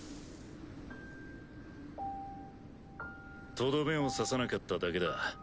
とどめを刺さなかっただけだ。